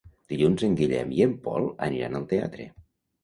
Dilluns en Guillem i en Pol aniran al teatre.